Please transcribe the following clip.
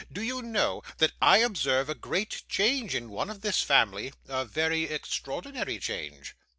Do you know, that I observe a great change in one of this family a very extraordinary change?